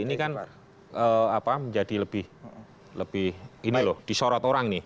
ini kan menjadi lebih disorot orang nih